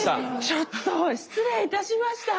ちょっと失礼いたしました。